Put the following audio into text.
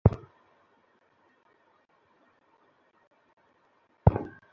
আমার মনে হচ্ছে তার অভ্যন্তরীন রক্তপাত হচ্ছে।